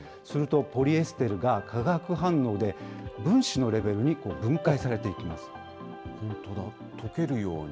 すると、ポリエステルが化学反応で、分子のレベルに分解されてい本当だ。